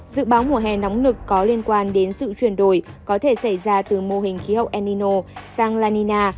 dự báo mùa hè nóng lực có liên quan đến sự chuyển đổi có thể xảy ra từ mô hình khí hậu enino sang lanina